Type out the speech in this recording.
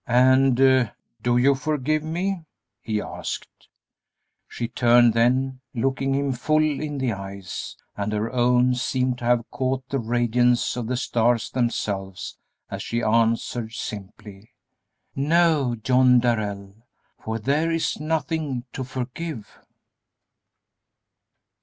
"And do you forgive me?" he asked. She turned then, looking him full in the eyes, and her own seemed to have caught the radiance of the stars themselves, as she answered, simply, "No, John Darrell, for there is nothing to forgive."